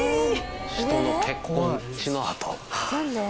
人の血痕血の跡。